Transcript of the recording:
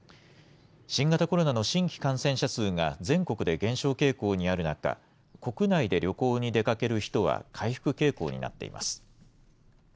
新型コロナの新規感染者数が全国で減少傾向にある中、国内で旅行に出かける人は回復傾向になっています。